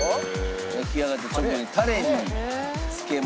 焼きあがった直後にタレに浸けます。